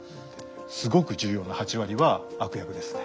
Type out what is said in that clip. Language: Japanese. すごく重要な８割は悪役ですね。